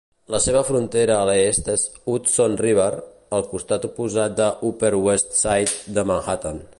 La seva frontera a l'est és Hudson River, al costat oposat de Upper West Side de Manhattan.